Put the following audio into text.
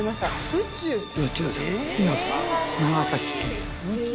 宇宙さん。